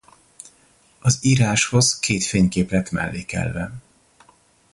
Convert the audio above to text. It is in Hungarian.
A íráshoz két fénykép lett mellékelve.